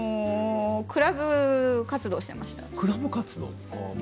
クラブ活動していました。